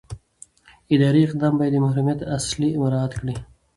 اداري اقدام باید د محرمیت اصل مراعات کړي.